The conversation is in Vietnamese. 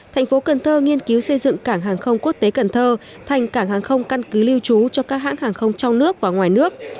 thành phố cần thơ nghiên cứu xây dựng cảng hàng không quốc tế cần thơ thành cảng hàng không căn cứ lưu trú cho các hãng hàng không trong nước và ngoài nước